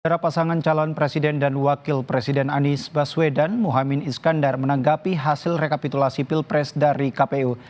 para pasangan calon presiden dan wakil presiden anies baswedan muhaymin iskandar menanggapi hasil rekapitulasi pilpres dari kpu